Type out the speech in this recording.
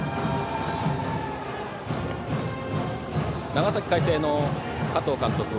長崎・海星の加藤監督